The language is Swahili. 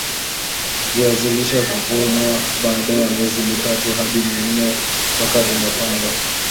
viazi lishe huvunwa baada ya miezi mitatu hadi minne toka vimepandwa